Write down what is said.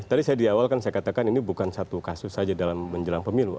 tadi saya diawalkan saya katakan ini bukan satu kasus saja dalam menjelang pemilu